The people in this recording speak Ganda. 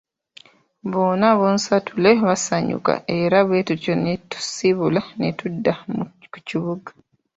Bonna bonsatule baasanyuka era bwe tutyo ne tusiibula ne tudda ku kibuga.